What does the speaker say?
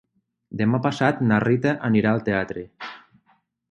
Demà passat na Rita anirà al teatre.